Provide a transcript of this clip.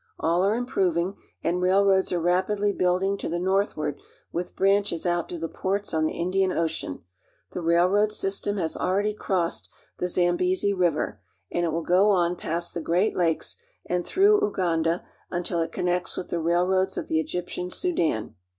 All are improving, and railroads are rapidly build ing to the northward with branches out to the ports on the Indian Ocean. The railroad system has already crossed the Zambezi River, and it wiil go on past the great lakes and through Uganda until it connects with the rail _roads of the Egyptian Sudan.